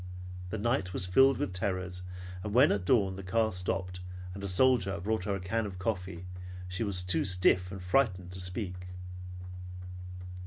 The night was filled with terrors, and when at dawn the car stopped, and a soldier brought her a can of coffee she was too stiff and frightened to speak.